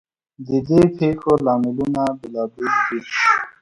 ددې پیښو لاملونه بیلابیل دي.